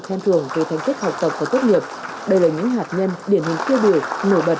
khen thưởng về thành tích học tập và tốt nghiệp đây là những hạt nhân điển hình tiêu biểu nổi bật